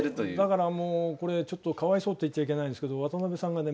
だからもうこれちょっとかわいそうって言っちゃいけないんですけど渡辺さんがね